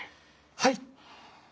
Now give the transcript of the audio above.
はい。